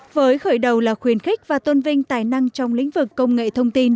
với khởi đầu là khuyến khích và tôn vinh tài năng trong lĩnh vực công nghệ thông tin